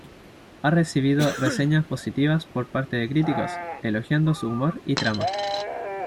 Ha recibido reseñas positivas por parte de críticos, elogiando su humor y trama.